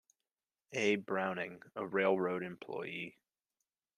A. Browning, a railroad employee.